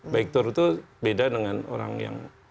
bike tour itu beda dengan orang yang